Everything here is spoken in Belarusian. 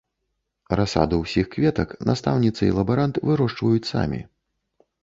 Расаду ўсіх кветак настаўніца і лабарант вырошчваюць самі.